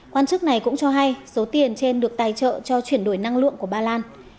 quan chức này cũng cho hay số tiền trên được tài trợ cho chuyển đổi năng lượng của ba lan